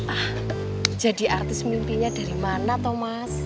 ah jadi artis mimpinya dari mana thomas